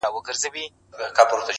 لا ورکه له ذاهدهیاره لار د توبې نه ده.